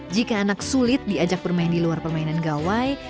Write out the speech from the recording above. jika anak sulit diajak bermain di luar permainan gawai